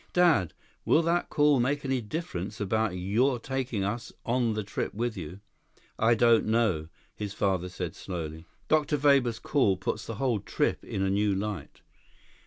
"Dad, will that call make any difference about your taking us on the trip with you?" "I don't know," his father said slowly. "Dr. Weber's call puts the whole trip in a new light."